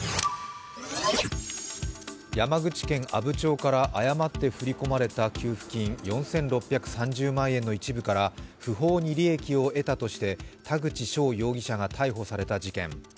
山口県阿武町から誤って振り込まれた給付金４６３０万円の一部から不法に利益を得たとして田口翔容疑者が逮捕された事件。